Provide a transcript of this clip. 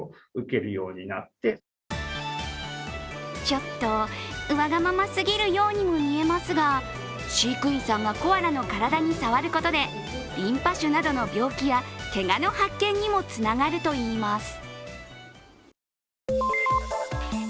ちょっとわがまますぎるようにも見えますが、飼育員さんがコアラの体に触ることでリンパ腫などの病気やけがの発見にもつながるといいます。